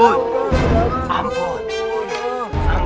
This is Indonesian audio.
itu artinya kita menang